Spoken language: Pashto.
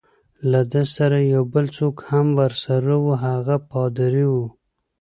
له ده سره یو بل څوک هم ورسره وو، هغه پادري وو.